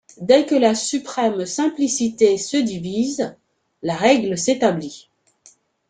Dès que la Suprême Simplicité se divise, la règle s'établit.